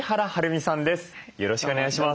よろしくお願いします。